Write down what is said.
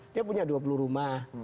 dia punya dua puluh rumah